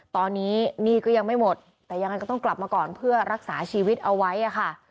ตอนนี้หนี้ก็ยังไม่หมดแต่ยังไงก็ต้องกลับมาก่อนเพื่อรักษาชีวิตเอาไว้ค่ะ